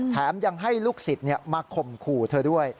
แถมยังให้ลูกศิษย์มาข่มขู่เธอด้วย